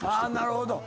なるほど。